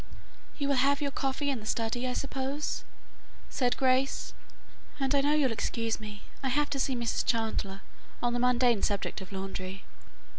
"You will have your coffee in the study, I suppose," said Grace, "and I know you'll excuse me; I have to see Mrs. Chandler on the mundane subject of laundry."